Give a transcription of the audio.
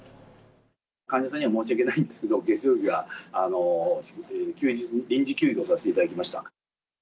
患者さんには申し訳ないんですけれども、月曜日は臨時休業させていただきました。